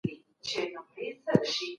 د ويالې اوبه په کراره روانې وې.